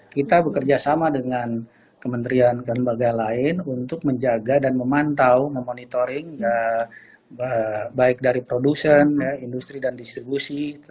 kita bekerja sama dengan kementerian dan lembaga lain untuk menjaga dan memantau memonitoring baik dari produsen industri dan distribusi